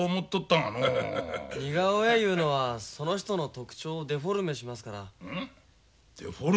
似顔絵いうのはその人の特徴をデフォルメしますから。